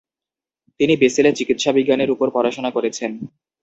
তিনি বেসেলে চিকিৎসাবিজ্ঞানের উপর পড়াশোনা করেছেন।